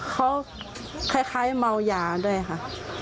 เขาคล้ายเมายาด้วยค่ะ